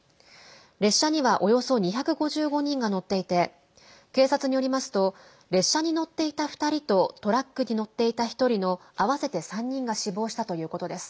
列車にはおよそ２５５人が乗っていて警察によりますと列車に乗っていた２人とトラックに乗っていた１人の合わせて３人が死亡したということです。